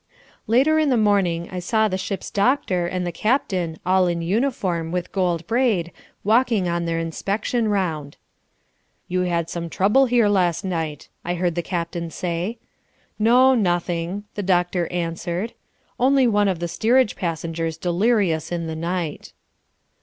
Later in the morning I saw the ship's doctor and the captain, all in uniform, with gold braid, walking on their inspection round. "You had some trouble here last night," I heard the captain say. "No, nothing," the doctor answered, "only one of the steerage passengers delirious in the night."